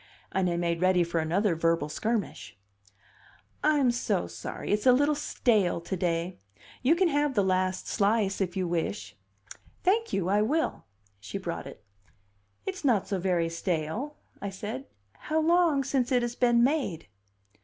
And I made ready for another verbal skirmish. "I'm so sorry! It's a little stale to day. You can have the last slice, if you wish." "Thank you, I will." She brought it. "It's not so very stale," I said. "How long since it has been made?"